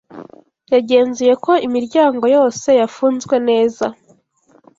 Yagenzuye ko imiryango yose yafunzwe neza.